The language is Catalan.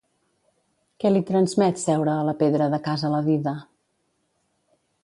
Què li transmet seure a la pedra de casa la dida?